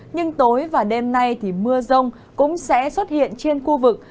nhưng tối và đêm nay thì mưa rông cũng sẽ xuất hiện trên khu vực